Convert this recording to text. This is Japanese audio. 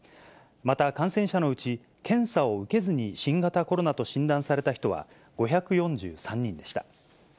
また、感染者のうち、検査を受けずに新型コロナと診断された人は、５４３人でした。